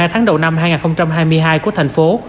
hai tháng đầu năm hai nghìn hai mươi hai của thành phố